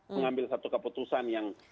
mengambil satu keputusan yang